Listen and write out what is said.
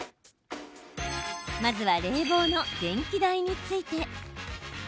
まずは冷房の電気代について。